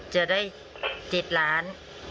จะได้จิตหลาน